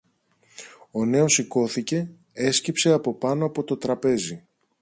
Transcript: Ο νέος σηκώθηκε, έσκυψε από πάνω από το τραπέζι